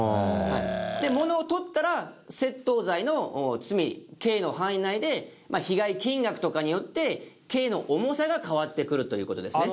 でものを取ったら窃盗罪の罪刑の範囲内で被害金額とかによって刑の重さが変わってくるという事ですね。